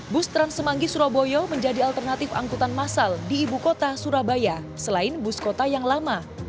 bus trans semanggi surabaya menjadi alternatif angkutan masal di ibu kota surabaya selain bus kota yang lama